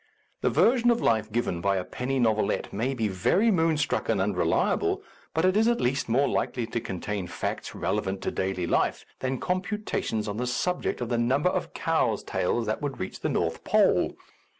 The version of life given by a penny novel ette may be very moonstruck and unreliable, but it is at least more likely to contain facts relevant to daily life than computations on the subject of the number of cows' tails that would reach the North Pole.